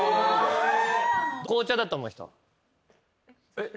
えっ？